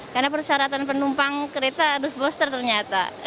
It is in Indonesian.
karena persyaratan penumpang kereta harus booster ternyata